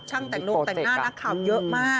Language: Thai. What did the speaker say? แต่งนงแต่งหน้านักข่าวเยอะมาก